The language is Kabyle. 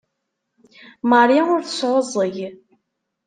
Marie ur tesɛuẓẓeg.